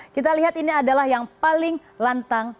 kita lihat ini adalah yang paling lantang